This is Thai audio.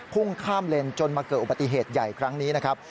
พุ่งข้ามเลนจนมาเกิดอุบัติเหตุใหญ่ครั้งนี้นะครับ